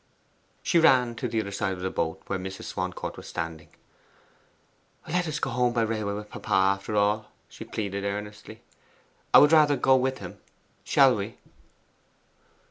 She ran to the other side of the boat, where Mrs. Swancourt was standing. 'Let us go home by railway with papa, after all,' she pleaded earnestly. 'I would rather go with him shall we?